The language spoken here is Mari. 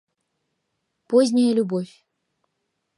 «Поздняя любовь»...